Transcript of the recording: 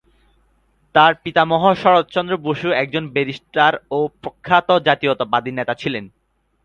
তার পিতামহ শরৎ চন্দ্র বসু একজন ব্যারিস্টার ও প্রখ্যাত জাতীয়তাবাদী নেতা ছিলেন।